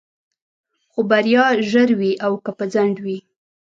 خو بريا ژر وي او که په ځنډ وي.